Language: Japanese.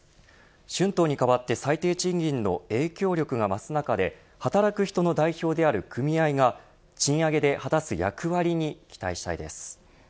春闘に代わって、最低賃金の影響力が増す中で働く人の代表である組合が賃上げで果たす役割に期待したいです。